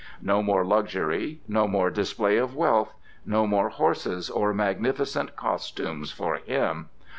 No more luxury, no more display of wealth, no more horses or magnificent costumes for him!